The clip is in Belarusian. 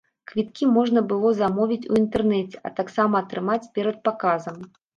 Квіткі можна было замовіць у інтэрнэце, а таксама атрымаць перад паказам.